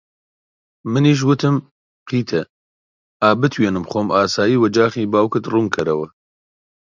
منیش وتم: قیتە! ئا بتوینم خۆم ئاسایی وەجاخی باوکت ڕوون کەرەوە